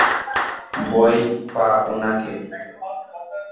ভয় পা উনাকে!